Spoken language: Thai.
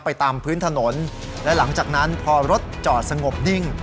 ตามพื้นถนนและหลังจากนั้นพอรถจอดสงบนิ่ง